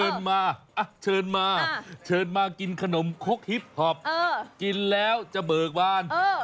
อย่างให้ใจเย็นนี่ครับคุณ